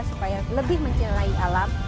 supaya lebih mencintai alam